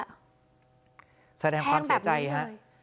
แทงแบบนี้ด้วยแสดงความเสียใจฮะ